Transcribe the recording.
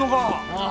ああ。